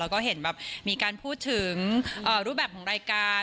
แล้วก็เห็นแบบมีการพูดถึงรูปแบบของรายการ